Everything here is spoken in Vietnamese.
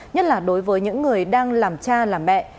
nhất là đối với những người đang làm cha làm mẹ